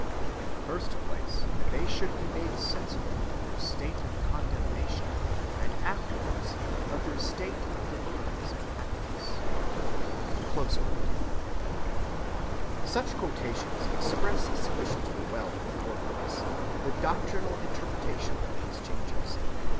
In the first place, that they should be made sensible of their state of condemnation; and afterwards, of their state of deliverance and happiness." Such quotations express sufficiently well for our purpose the doctrinal interpretation of these changes.